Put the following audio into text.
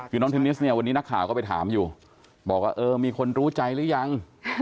คือน้องเทนนิสเนี่ยวันนี้นักข่าวก็ไปถามอยู่บอกว่าเออมีคนรู้ใจหรือยัง